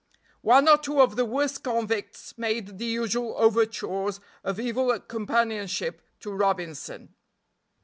One or two of the worst convicts made the usual overtures of evil companionship to Robinson.